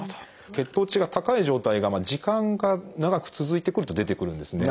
血糖値が高い状態が時間が長く続いてくると出てくるんですね。